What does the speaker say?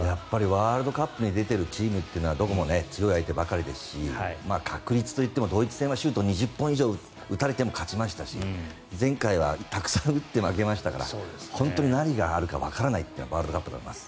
ワールドカップに出ているチームというのはどこも強い相手ばかりですし確率といってもドイツ戦はシュート２０本以上打たれても勝ちましたし前回はたくさん打って負けましたから本当に何があるかわからないのがワールドカップだと思います。